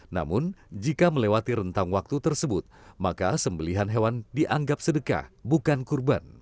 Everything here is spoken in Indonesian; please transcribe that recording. namun jika melewati rentang waktu tersebut maka sembelihan hewan dianggap sedekah bukan kurban